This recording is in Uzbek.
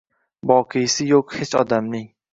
Boqiysi yo’q hech odamning